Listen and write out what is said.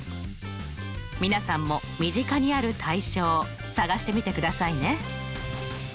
皆さんも身近にある対称探してみてくださいね。